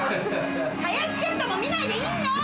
⁉林遣都も見ないでいいの！